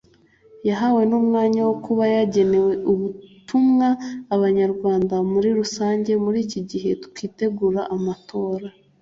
yahawe n’umwanya wo kuba yagenera ubutumwa abanyarwanda muri rusange muri iki gihe twitegura amatora